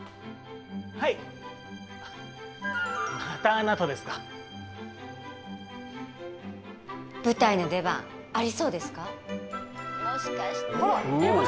はいまたあなたですか舞台の出番ありそうですか？